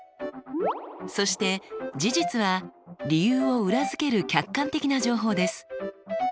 そして「事実」は理由を裏付ける客観的な情報です。